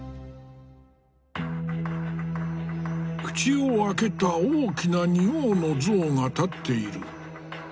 口を開けた大きな仁王の像が立っている。